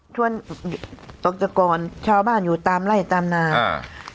ช่วงตกจากก่อนชาวบ้านอยู่ตามไล่ตามนาอ่า